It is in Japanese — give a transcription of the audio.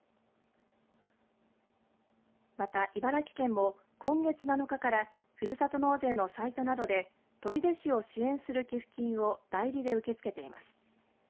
また、茨城県も今月７日からふるさと納税のサイトなどで取手市を支援する寄付金を代理で受け付けています。